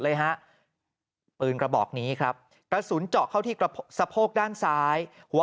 เลยฮะปืนกระบอกนี้ครับกระสุนเจาะเข้าที่สะโพกด้านซ้ายหัว